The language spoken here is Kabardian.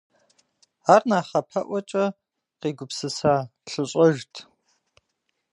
Ар нэхъапэӀуэкӀэ къигупсыса лъыщӀэжт.